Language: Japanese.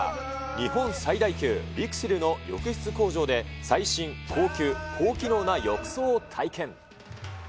日本最大級、ＬＩＸＩＬの浴室工場で、最新、高級、高機能な浴槽を体験。